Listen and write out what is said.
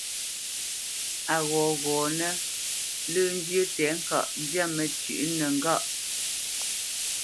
A ghɔghɔnə́ lə́ njyə́ tɛ̌ŋka nzyâ məcywǐnəŋgâʼ.